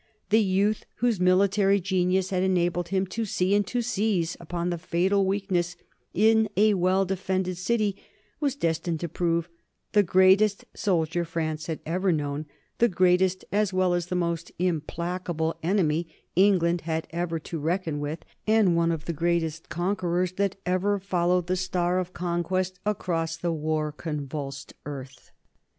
The youth whose military genius had enabled him to see and to seize upon the fatal weakness in a well defended city was destined to prove the greatest soldier France had ever known, the greatest as well as the most implacable enemy England had ever to reckon with, and one of the greatest conquerors that ever followed the star of conquest across the war convulsed earth.